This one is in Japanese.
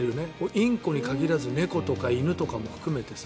インコに限らず猫とか犬とかも含めてさ。